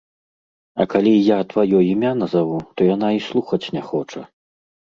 А калі я тваё імя назаву, то яна і слухаць не хоча.